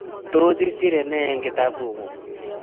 tos isere ne eng' kitabung'ung'